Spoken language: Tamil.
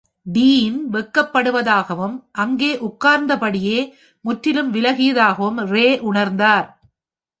டீன் வெட்கப்படுவதாகவும், அங்கே உட்கார்ந்தபடியே முற்றிலும் விலகியதாகவும் ரே உணர்ந்தார்.